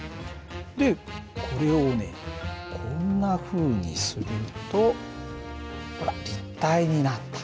でこれをねこんなふうにするとほら立体になった。